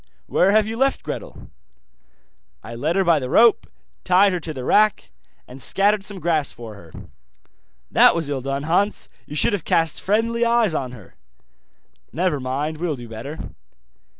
'Where have you left Gretel?' 'I led her by the rope, tied her to the rack, and scattered some grass for her.' 'That was ill done, Hans, you should have cast friendly eyes on her.' 'Never mind, will do better.